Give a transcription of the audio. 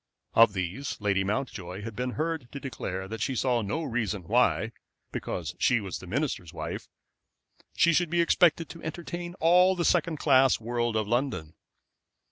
Of these Lady Mountjoy had been heard to declare that she saw no reason why, because she was the minister's wife, she should be expected to entertain all the second class world of London.